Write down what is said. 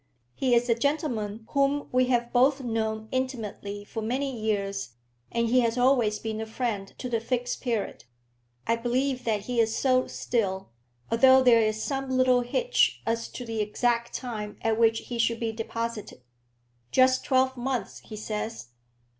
"He is a gentleman whom we have both known intimately for many years, and he has always been a friend to the Fixed Period. I believe that he is so still, although there is some little hitch as to the exact time at which he should be deposited." "Just twelve months, he says."